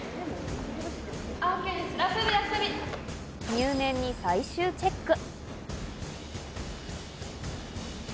入念に最終チェック。